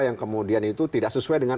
yang kemudian itu tidak sesuai dengan